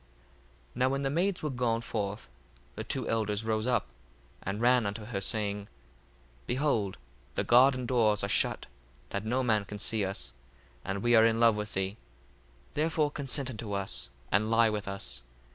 1:19 Now when the maids were gone forth, the two elders rose up, and ran unto her, saying, 1:20 Behold, the garden doors are shut, that no man can see us, and we are in love with thee; therefore consent unto us, and lie with us.